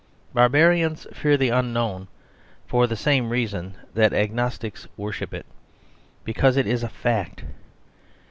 Barbarians fear the unknown for the same reason that Agnostics worship it because it is a fact.